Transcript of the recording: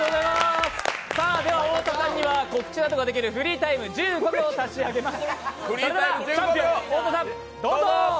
では太田さんには告知などができるフリータイム、１５秒差し上げます、どうぞ。